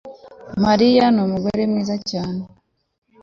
Mariya numugore mwiza cyane